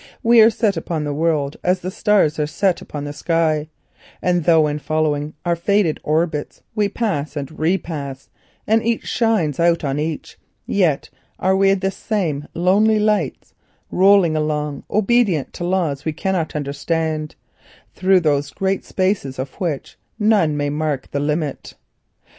We are set upon the world as the stars are set upon the sky, and though in following our fated orbits we pass and repass, and each shine out on each, yet are we the same lonely lights, rolling obedient to laws we cannot understand, through spaces of which none may mark the measure.